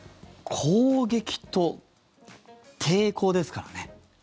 攻撃と抵抗ですからね。